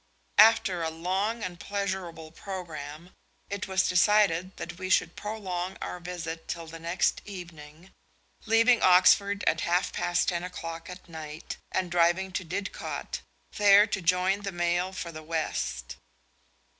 After a long and pleasurable programme, it was decided that we should prolong our visit till the next evening, leaving Oxford at half past ten o'clock at night and driving to Didcot, there to join the mail for the west.